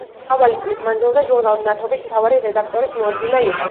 მრავალი წლის მანძილზე ჟურნალ „მნათობის“ მთავარი რედაქტორის მოადგილე იყო.